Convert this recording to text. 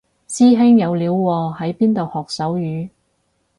師兄有料喎喺邊度學手語